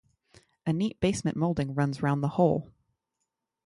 A neat basement molding runs round the whole.